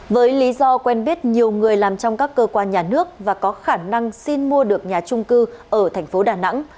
với lý do quen biết nhiều người làm trong các cơ quan nhà nước và có khả năng xin mua được nhà chung cư ở tp đà nẵng